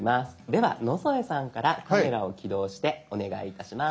では野添さんから「カメラ」を起動してお願いいたします。